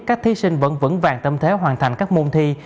các thí sinh vẫn vững vàng tâm thế hoàn thành các môn thi